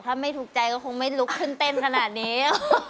ถ้าไม่ถูกใจก็คงไม่ลุกขึ้นเต้นขนาดนี้